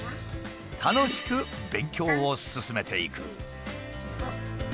楽しく勉強を進めていく。